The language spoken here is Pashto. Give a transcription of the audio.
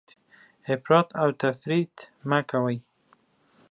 افراط او تفریط مه کوئ.